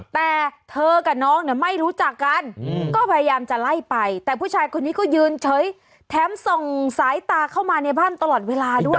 แต่เธอกับน้องเนี่ยไม่รู้จักกันก็พยายามจะไล่ไปแต่ผู้ชายคนนี้ก็ยืนเฉยแถมส่งสายตาเข้ามาในบ้านตลอดเวลาด้วย